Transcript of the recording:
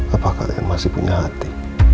apa kalian masih punya hati